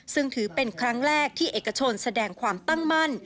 ซึ่งถือเป็นครั้งแรกที่เอกชนแสดงความตั้งมั่น